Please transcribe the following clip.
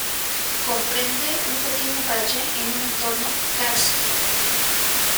Comprende un pequeño valle en un entorno kárstico.